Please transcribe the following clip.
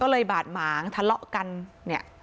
ก็เลยบาดหมางทะเลาะกันเนี่ย